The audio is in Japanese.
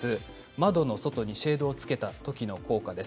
窓の外にシェードをつけたときの効果です。